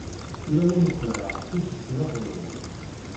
Ur awen-d-qellɛeɣ tifesnax-nwen.